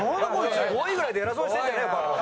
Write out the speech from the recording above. ５位ぐらいで偉そうにしてんじゃねえよバカ！